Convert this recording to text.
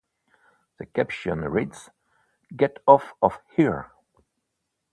The caption reads, Get off of here!